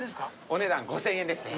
お値段５０００円ですね。